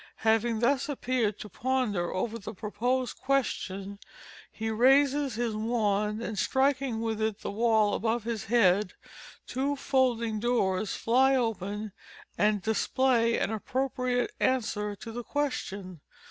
Having thus appeared to ponder over the proposed question he raises his wand, and striking with it the wall above his head, two folding doors fly open, and display an appropriate answer to the question.